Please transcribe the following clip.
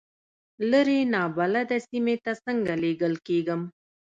لرې نابلده سیمې ته څنګه لېږل کېږم.